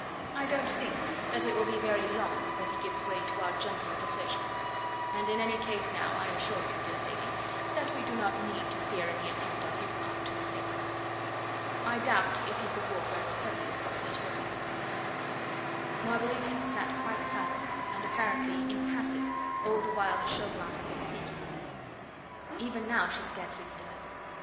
I don't think that it will be very long before he gives way to our gentle persuasions; and in any case now, I assure you, dear lady, that we need not fear any attempt on his part to escape. I doubt if he could walk very steadily across this room " Marguerite had sat quite silent and apparently impassive all the while that Chauvelin had been speaking; even now she scarcely stirred.